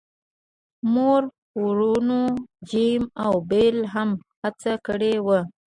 مور وروڼو جیم او بیل هم هڅه کړې وه